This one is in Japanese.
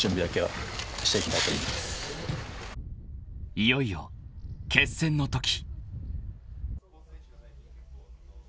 ［いよいよ決戦のとき］